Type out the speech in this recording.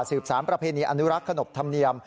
สารประเพณีอนุรักษ์ขนบธรรมเนียม